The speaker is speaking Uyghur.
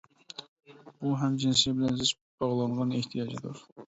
بۇ ھەم جىنسى بىلەن زىچ باغلانغان ئېھتىياجدۇر.